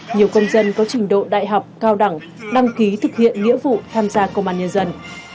nhiều công dân có trình độ đại học cao đẳng đăng ký thực hiện nghĩa vụ tham gia công an nhân dân